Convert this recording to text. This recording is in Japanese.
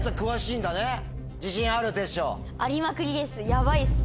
ヤバいっす！